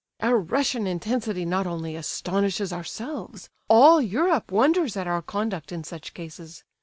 "Our Russian intensity not only astonishes ourselves; all Europe wonders at our conduct in such cases!